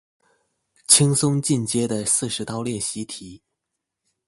輕鬆進階的四十道練習題